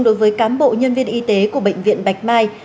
đối với cán bộ nhân viên y tế của bệnh viện bạch mai